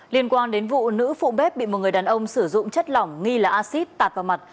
liên quan đến vụ nữ phụ bếp bị một người đàn ông sử dụng chất lỏng nghi là acid tạt vào mặt